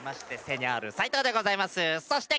そして。